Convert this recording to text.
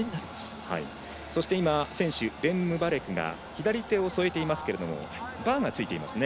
そして、選手ベンムバレクが左手を添えていますけどバーがついてますね。